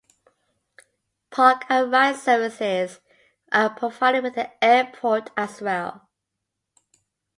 Park and ride services are provided within the airport as well.